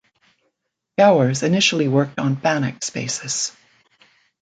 Gowers initially worked on Banach spaces.